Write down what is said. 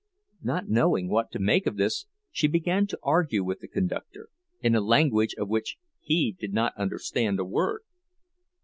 Not knowing what to make of this, she began to argue with the conductor, in a language of which he did not understand a word.